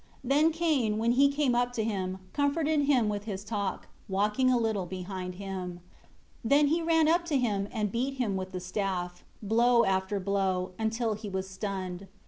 5 Then Cain, when he came up to him, comforted him with his talk, walking a little behind him; then he ran up to him and beat him with the staff, blow after blow, until he was stunned.